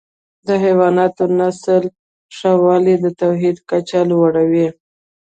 د حیواناتو نسل ښه والی د تولید کچه لوړه وي.